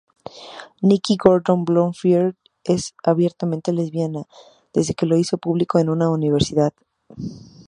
Nikki Gordon-Bloomfield es abiertamente lesbiana desde que lo hizo público en la universidad.